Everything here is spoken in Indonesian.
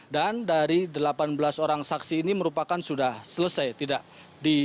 dan dari delapan belas orang saksi ini merupakan sudah selesai